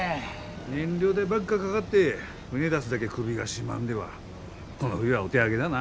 燃料代ばっかかがって船出すだげ首が絞まんではこの冬はお手上げだな。